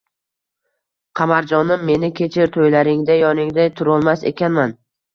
“Qamarjonim, meni kechir, to‘ylaringda yoningda turolmas ekanman